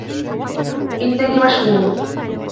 إنني مشغول.